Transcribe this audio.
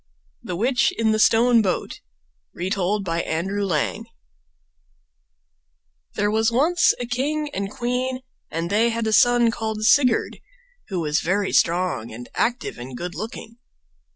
THE WITCH IN THE STONE BOAT Retold by Andrew Lang There was once a king and queen, and they had a son called Sigurd, who was very strong and active and good looking.